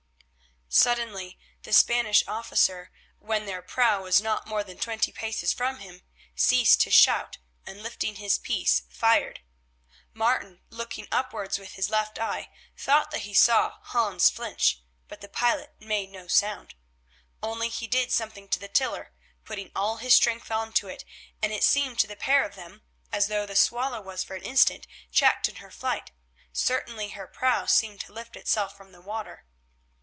Suddenly the Spanish officer, when their prow was not more than twenty paces from him, ceased to shout, and lifting his piece fired. Martin, looking upwards with his left eye, thought that he saw Hans flinch, but the pilot made no sound. Only he did something to the tiller, putting all his strength on to it, and it seemed to the pair of them as though the Swallow was for an instant checked in her flight—certainly her prow appeared to lift itself from the water.